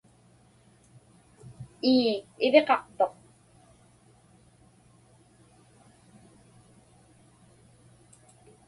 Ii, iviqaqtuq.